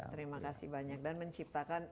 terima kasih banyak dan menciptakan